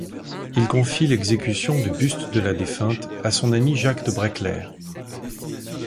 Il confie l'exécution du buste de la défunte à son ami Jacques de Braeckeleer.